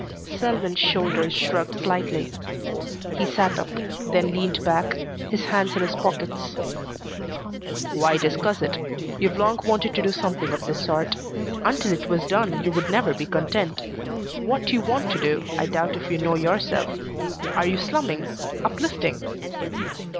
Selwyn's shoulders shrugged slightly. He sat up, then leaned back, his hands in his pockets. "Why discuss it? You've long wanted to do something of this sort. Until it was done you would never be content. What you want to do, I doubt if you know yourself. Are you slumming? Uplifting?"